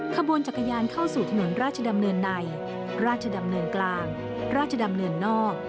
ขบวนจักรยานเข้าสู่ถนนราชดำเนินในราชดำเนินกลางราชดำเนินนอก